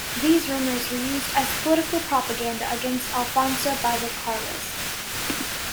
These rumours were used as political propaganda against Alfonso by the Carlists.